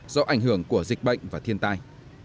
do ảnh hưởng của dịch bệnh và thiên tai